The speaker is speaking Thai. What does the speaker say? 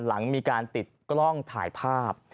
หลังมีการติดกล้องถ่ายภาพ